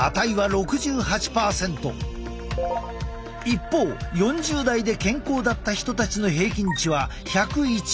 一方４０代で健康だった人たちの平均値は１０１％だった。